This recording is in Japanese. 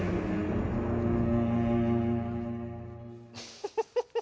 フフフフ。